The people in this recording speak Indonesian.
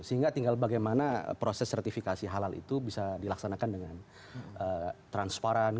sehingga tinggal bagaimana proses sertifikasi halal itu bisa dilaksanakan dengan transparan